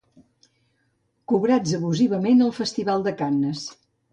Cobrats abusivament al festival de Cannes.